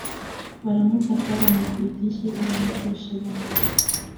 " Baramufata bamukubita inshyi bamukweshebana